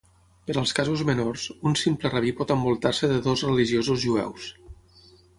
Per als casos menors, un simple rabí pot envoltar-se de dos religiosos jueus.